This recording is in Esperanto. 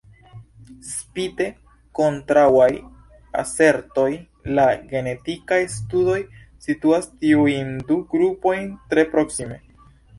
Spite kontraŭaj asertoj, la genetikaj studoj situas tiujn du grupojn tre proksime.